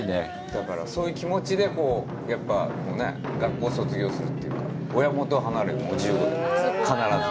だから、そういう気持ちでやっぱり学校を卒業するというか、親元を離れる、１５で必ず。